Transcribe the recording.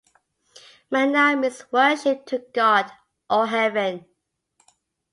Manau means worship to God or heaven.